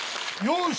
よし！